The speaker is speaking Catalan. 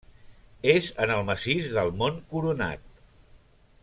És en el massís del Mont Coronat.